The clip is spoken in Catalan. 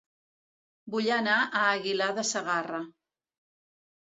Vull anar a Aguilar de Segarra